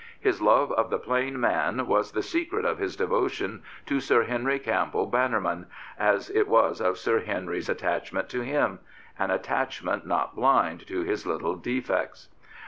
His love of the plain man was the secret of his devotion to Sir Henry Campbell Bannerman, as it was of Sir Henry's attachment to him — an attach ment not blind to his little defects.